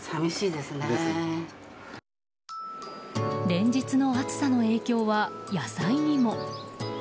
連日の暑さの影響は野菜にも。